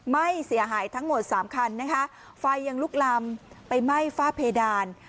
ไหม้เสียหายทั้งหมดสามคันนะคะไฟยังลุกลำไปไหม้ฝ้าเพดาน